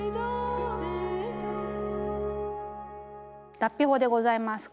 脱皮法でございます。